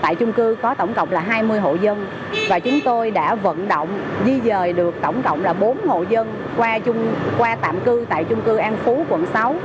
tại trung cư có tổng cộng là hai mươi hộ dân và chúng tôi đã vận động di dời được tổng cộng là bốn hộ dân qua tạm cư tại chung cư an phú quận sáu